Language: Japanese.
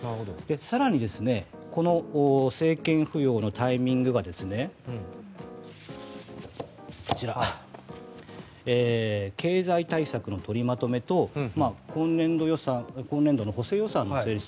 更にこの政権浮揚のタイミングがこちら経済対策のとりまとめと今年度の補正予算の成立